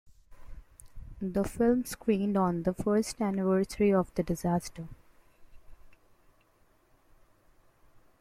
The film screened on the first anniversary of the disaster.